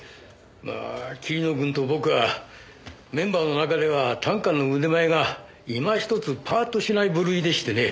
まあ桐野君と僕はメンバーの中では短歌の腕前が今ひとつパッとしない部類でしてね。